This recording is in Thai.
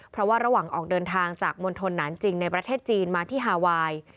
เพราะว่าระหว่างออกเดินทางจากมณฑลหนานจริงในประเทศจีนมาที่ฮาไวน์